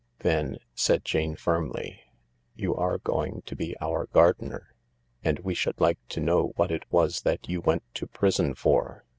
"Then," said Jane firmly, "you are going to be our gardener, and we should like to know what it was that you went to prison for."